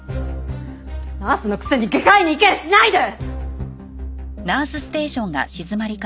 ナースのくせに外科医に意見しないで！